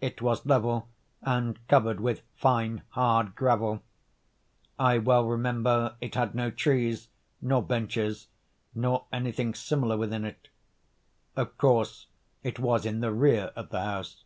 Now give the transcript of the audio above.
It was level, and covered with fine hard gravel. I well remember it had no trees, nor benches, nor anything similar within it. Of course it was in the rear of the house.